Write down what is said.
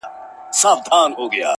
پخواني خلک کښتۍ جوړولې.